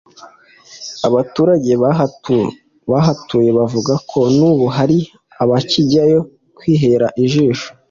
Abaturage bahatuye bavuga ko n’ubu hari abakijyayo kwihera ijisho